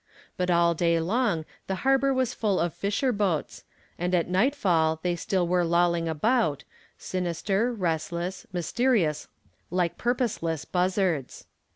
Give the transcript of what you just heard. But all day long the harbor was full of fisher boats, and at nightfall they still were lolling about, sinister, restless, mysterious like purposeless buzzards.